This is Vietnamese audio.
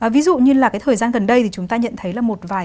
ví dụ như là cái thời gian gần đây thì chúng ta nhận thấy là một vài